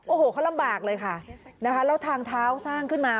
โอ้โหเขาลำบากเลยค่ะนะคะแล้วทางเท้าสร้างขึ้นมา